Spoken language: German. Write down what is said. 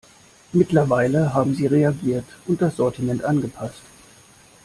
Mittlerweile haben sie reagiert und das Sortiment angepasst.